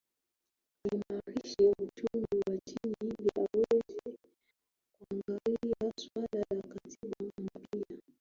Aimarishe uchumi wa nchi ili aweze kuangalia suala la Katiba Mpya